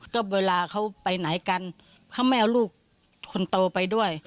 ก็เวลาเขาไปไหนกันเขาไม่เอาลูกคนโตไปด้วย